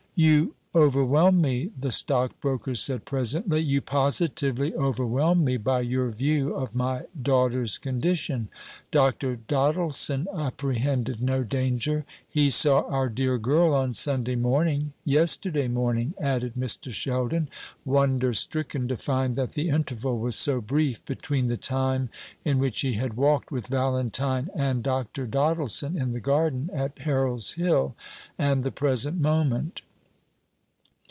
"You overwhelm me," the stockbroker said presently; "you positively overwhelm me by your view of my daughter's condition. Dr. Doddleson apprehended no danger. He saw our dear girl on Sunday morning yesterday morning," added Mr. Sheldon, wonder stricken to find that the interval was so brief between the time in which he had walked with Valentine and Dr. Doddleson in the garden at Harold's Hill and the present moment.